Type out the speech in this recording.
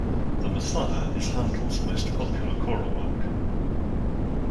The Messiah is Handel's most popular choral work